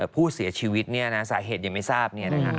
ผู้เสียชีวิตเนี่ยนะฮะสาเหตุยังไม่ทราบเนี่ยนะฮะ